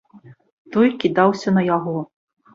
Той кідаўся на яго.